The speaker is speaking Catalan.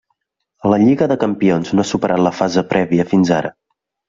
A la Lliga de Campions no ha superat la fase prèvia fins ara.